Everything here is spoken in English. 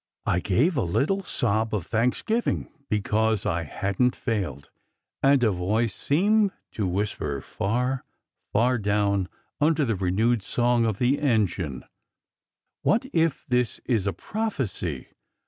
I gave a little sob of thanksgiving, because I hadn t failed; and a voice seemed to whisper far, far down under SECRET HISTORY 53 the renewed song of the engine, "What if this is a prophecy?